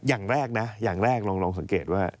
อย่างแรกนะอย่างแรกลองสังเกตว่า